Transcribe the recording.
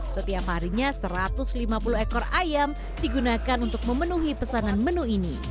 setiap harinya satu ratus lima puluh ekor ayam digunakan untuk memenuhi pesanan menu ini